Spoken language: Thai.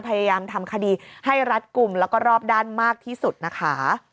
พยายามทำคดีให้รัดกลุ่มแล้วก็รอบด้านมากที่สุดนะคะ